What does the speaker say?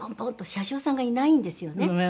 車掌さんがいないんですよね。